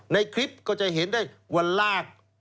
ในคลิปก็จะเห็นได้วันลาก